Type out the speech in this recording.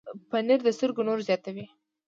پنېر د سترګو نور زیاتوي.